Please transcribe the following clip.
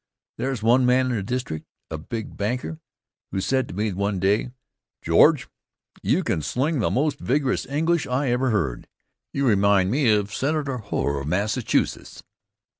There's one man in the district, a big banker, who said to me one day: "George, you can sling the most vigorous English I ever heard. You remind me of Senator Hoar of Massachusetts."